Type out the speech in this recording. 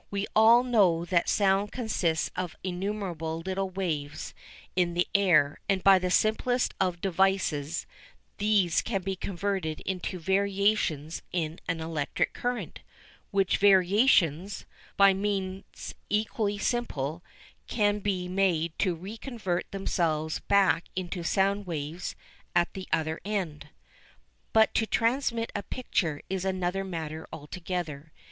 We all know that sound consists of innumerable little waves in the air, and by the simplest of devices these can be converted into variations in an electric current, which variations, by means equally simple, can be made to re convert themselves back into sound waves at the other end. But to transmit a picture is another matter altogether.